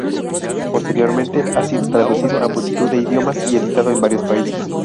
Posteriormente ha sido traducido a multitud de idiomas y editado en varios países.